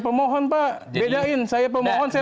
pemohon pak bedain saya pemohon saya